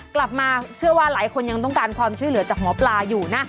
กลับมาเชื่อว่าหลายคนยังต้องการความช่วยเหลือจากหมอปลาอยู่นะ